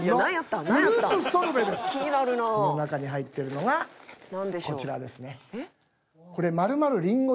この中に入ってるのがこちらですね。